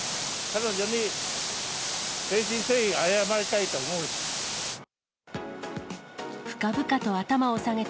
彼女に誠心誠意謝りたいと思うし。